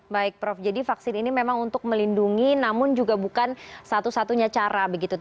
baik prof jadi vaksin ini memang untuk melindungi namun juga bukan satu satunya cara begitu